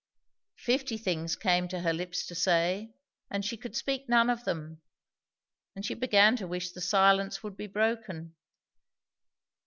Fifty things came to her lips to say, and she could speak none of them; and she began to wish the silence would be broken.